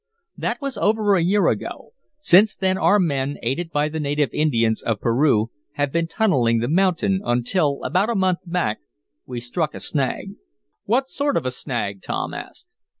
"That was over a year ago. Since then our men, aided by the native Indians of Peru, have been tunneling the mountain, until, about a month back, we struck a snag." "What sort of snag?" Tom asked.